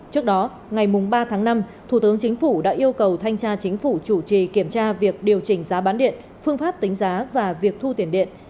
trước đó ngày ba tháng năm thủ tướng chính phủ đã yêu cầu thanh tra chính phủ chủ trì kiểm tra việc điều chỉnh giá bán điện phương pháp tính giá và việc thu tiền điện